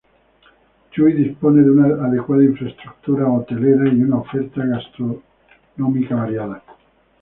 Chuy dispone de una adecuada infraestructura hotelera y una oferta gastronómica variada.